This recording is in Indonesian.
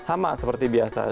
sama seperti biasa